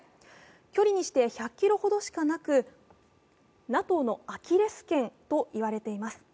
距離にして１００ｋｍほどしかなくＮＡＴＯのアキレスけんといわれています。